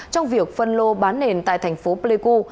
trong việc phân lô bán nền tại thành phố pleiku